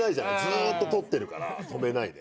ずーっと撮ってるから止めないで。